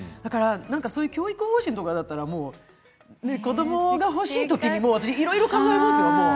教育方針とかだったら子どもが欲しい時にいろいろ考えますよ。